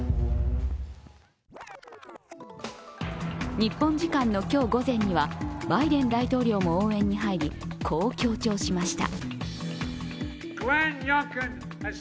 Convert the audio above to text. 日本時間の今日午前には、バイデン大統領も応援に入りこう強調しました。